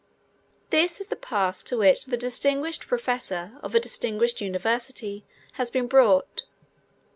This is the pass to which the distinguished professor of a distinguished university has been brought.